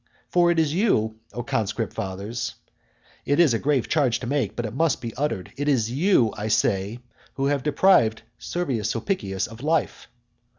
For it is you, O conscript fathers (it is a grave charge to make, but it must be uttered,) it is you, I say, who have deprived Servius Sulpicius of life.